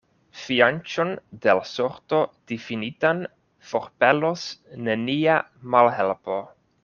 Fianĉon de l' sorto difinitan forpelos nenia malhelpo.